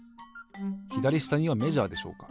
ひだりしたにはメジャーでしょうか？